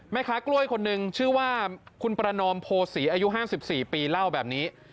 แม่ค้ากล้วยคนหนึ่งชื่อว่าคุณประนอมโพศีอายุ๕๔ปีเล่าแบบนี้